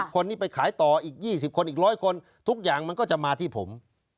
คนนี้ไปขายต่ออีก๒๐คนอีก๑๐๐คนทุกอย่างมันก็จะมาที่ผม